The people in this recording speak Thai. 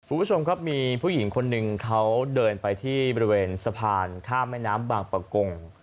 คุณผู้ชมครับมีผู้หญิงคนหนึ่งเขาเดินไปที่บริเวณสะพานข้ามแม่น้ำบางประกง